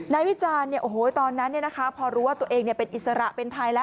วิจารณ์ตอนนั้นพอรู้ว่าตัวเองเป็นอิสระเป็นไทยแล้ว